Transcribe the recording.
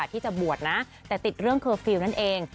ที่จะบวชนะแต่ติดเรื่องเคอร์ฟิลล์นั่นเอง